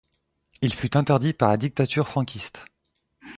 Il fut interdit par la dictature franquiste.